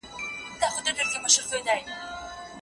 دغه دوې د سعد بن ربيع لوڼي دي.